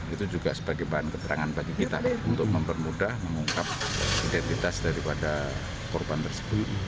itu juga sebagai bahan keterangan bagi kita untuk mempermudah mengungkap identitas daripada korban tersebut